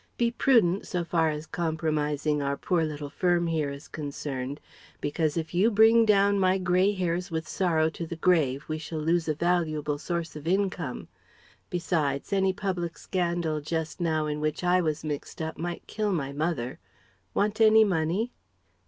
Be prudent, so far as compromising our poor little firm here is concerned, because if you bring down my grey hairs with sorrow to the grave we shall lose a valuable source of income. Besides: any public scandal just now in which I was mixed up might kill my mother. Want any money?"